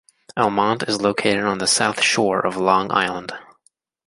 Elmont is located on the south shore of Long Island.